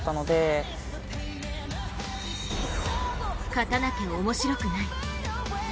勝たなきゃ面白くない。